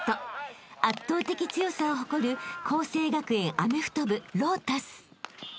圧倒的強さを誇る佼成学園アメフト部ＬＯＴＵＳ］